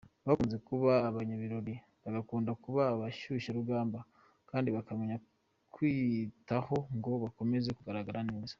Bakunze kuba abanyabirori, bagakunda kuba abashyushya rugamba kandi bakamenya kwiyitaho ngo bakomeze kugaragara neza.